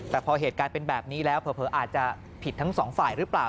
แต่พอเหตุการณ์เป็นแบบนี้แล้วเผลออาจจะผิดทั้งสองฝ่ายหรือเปล่า